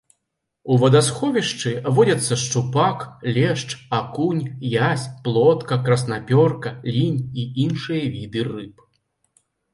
У вадасховішчы водзяцца шчупак, лешч, акунь, язь, плотка, краснапёрка, лінь і іншыя віды рыб.